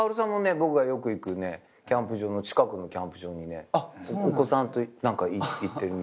僕がよく行くねキャンプ場の近くのキャンプ場にねお子さんと行ってるみたいだよ。